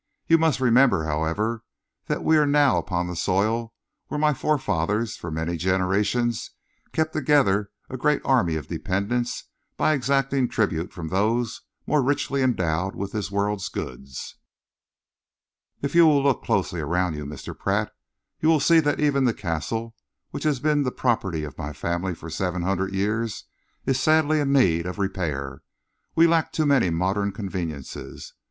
You must remember, however, that we are now upon the soil where my forefathers for many generations kept together a great army of dependents by exacting tribute from those more richly endowed with this world's goods. If you will look closely around you, Mr. Pratt, you will see that even the Castle, which has been the property of my family for seven hundred years, is sadly in need of repair. We lack too many modern conveniences.